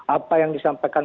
apa yang disampaikan